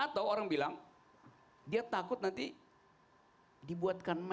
atau orang bilang dia takut nanti dibuatkan mesin